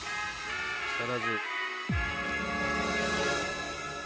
木更津。